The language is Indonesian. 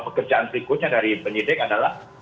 pekerjaan berikutnya dari penyidik adalah